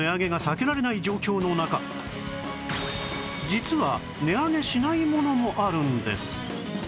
実は値上げしないものもあるんです